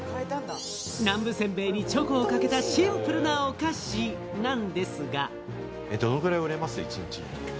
南部せんべいにチョコをかけたシンプルなお菓子なんですが。